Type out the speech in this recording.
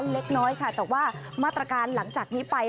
เล็กน้อยค่ะแต่ว่ามาตรการหลังจากนี้ไป